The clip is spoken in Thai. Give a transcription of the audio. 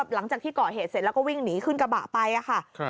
หลังจากที่ก่อเหตุเสร็จแล้วก็วิ่งหนีขึ้นกระบะไปค่ะ